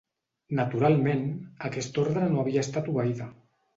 Naturalment, aquesta ordre no havia estat obeïda